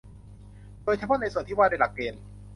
โดยเฉพาะในส่วนที่ว่าด้วยหลักเกณฑ์